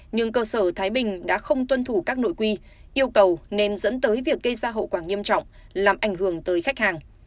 nhưng cơ sở thái bình đã không tuân thủ các nội quy yêu cầu nên dẫn tới việc gây ra hậu quả nghiêm trọng làm ảnh hưởng tới khách hàng